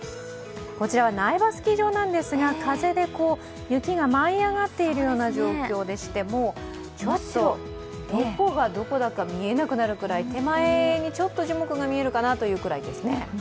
こちらは苗場スキー場なんですが、風で雪が舞い上がっているような状況でして、もうどこがどこだか見えなくなるくらい手前にちょっと樹木が見えるかなというくらいですね。